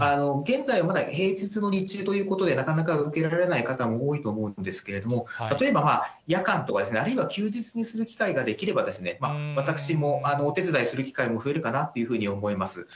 現在はまだ平日の日中ということで、なかなか受けられない方も多いと思うんですけれども、例えば夜間とか、あるいは休日にする機会ができれば、私もお手伝いする機会も増えるかなというふうに思います。